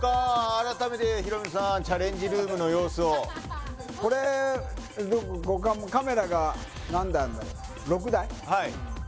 改めてヒロミさんチャレンジルームの様子をこれ何台あんだ？